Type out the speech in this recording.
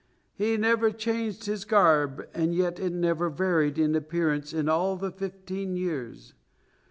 He never changed his garb, and yet it never varied in appearance in all the fifteen years.